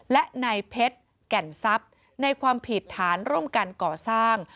และนายเพชรแก่นทรัพย์ในความผิดฐานร่วมกันก่อสร้าง